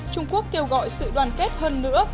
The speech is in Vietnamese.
trung quốc kêu gọi sự đoàn kết hơn nữa